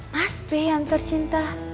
mas b yang tercinta